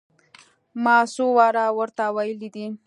ما څو واره ور ته ويلي دي.